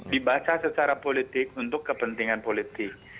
dibaca secara politik untuk kepentingan politik